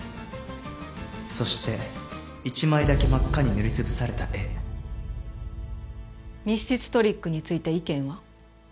そして１枚だけ真っ赤に塗り潰された絵密室トリックについて意見は？